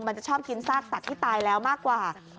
มันจะชอบกินซากสัตว์ที่ตายแล้วมากกว่า